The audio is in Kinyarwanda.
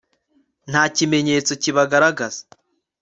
nta kimenyetso kibigaragaza